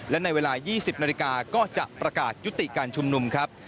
และในเวลา๒๐นาฬิกาก็จะประกาศยุติการชุมนุมครับ